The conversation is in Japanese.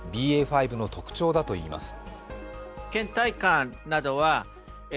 ＢＡ．５の特徴だといいます。